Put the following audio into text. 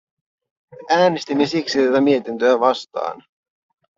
Äänestimme siksi tätä mietintöä vastaan.